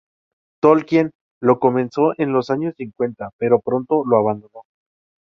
Tolkien lo comenzó en los años cincuenta, pero pronto lo abandonó.